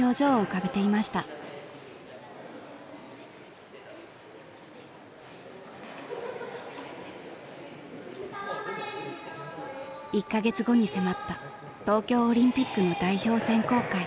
１か月後に迫った東京オリンピックの代表選考会。